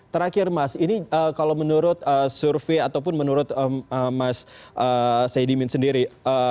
terakhir mas ini kalau menurut survei ataupun menurut mas saidin sendiri